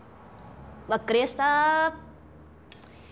わっかりやした！